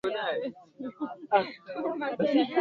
Asante kwa kufanya kazi nzuri.